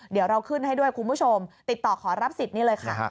เดี๋ยวเราขึ้นให้ด้วยคุณผู้ชมติดต่อขอรับสิทธิ์นี่เลยค่ะ